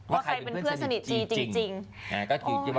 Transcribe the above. ว่าใครเป็นเพื่อนสนิทจีจริง